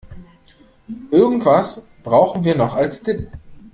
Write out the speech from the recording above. Irgendwas brauchen wir noch als Dip.